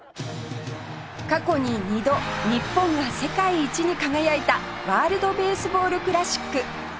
過去に２度日本が世界一に輝いたワールドベースボールクラシック